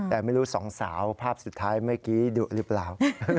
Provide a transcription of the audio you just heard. แต่ไม่รู้สองสาวภาพสุดท้ายเมื่อกี้ดุหรือเปล่า